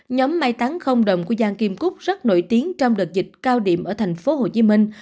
nhóm mai táng không đồng của giang kim cúc rất nổi tiếng trong đợt dịch cao điểm ở thành phố hồ chí minh